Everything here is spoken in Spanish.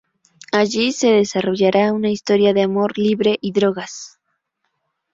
Allí se desarrollará una historia de amor libre y drogas.